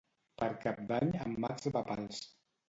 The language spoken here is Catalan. Per Cap d'Any en Max va a Pals.